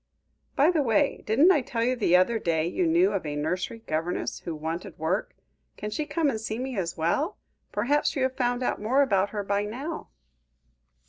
"By the way, didn't you tell me the other day you knew of a nursery governess who wanted work? Can she come and see me as well? Perhaps you have found out more about her by now?"